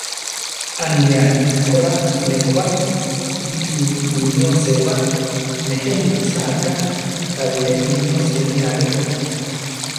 A ne atí ko lá ne ko ba, kite nimí osée ba; nejé mukusáa ga, ta bilé nimí oséme a rʼeko.